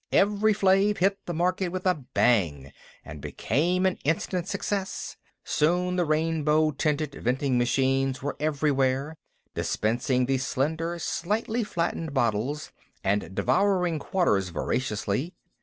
Evri Flave hit the market with a bang and became an instant success; soon the rainbow tinted vending machines were everywhere, dispensing the slender, slightly flattened bottles and devouring quarters voraciously.